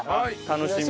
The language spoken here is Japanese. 楽しみ。